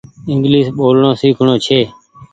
انگليش ٻولڻو سيکڻو ڇي۔